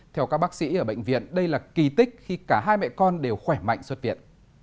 theo các bác sĩ ở bệnh viện đây là kỳ tích khi cả hai mẹ con đều khỏe mạnh xuất viện